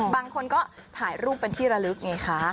บางคนก็ถ่ายรูปเป็นที่ระลึกไงคะ